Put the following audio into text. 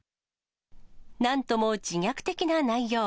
なんとも自虐的な内容。